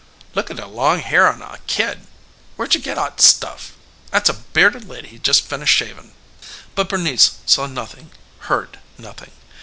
"Lookada long hair on a kid!" "Where'd yuh get 'at stuff? 'At's a bearded lady he just finished shavin'." But Bernice saw nothing, heard nothing.